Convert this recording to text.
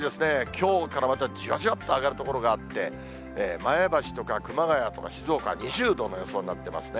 きょうからまたじわじわっと上がる所があって、前橋とか熊谷とか静岡２０度の予想になってますね。